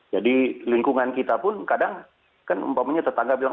jadi lingkungan kita pun kadang kan umpamanya tetangga bilang